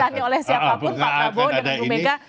ya tidak perlu dijemputan oleh siapapun pak prabowo dan lain lain ya